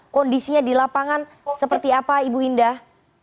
kondisinya di lapangan seperti apa ibu indah